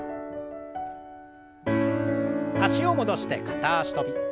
脚を戻して片脚跳び。